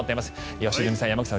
良純さん、山口さん